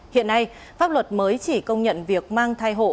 hiện nay pháp luật mới chỉ công nhận việc mang thai hộ